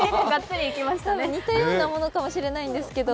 似たようなものかもしれないんですけど。